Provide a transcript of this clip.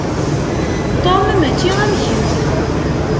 Tom mačči am kemm.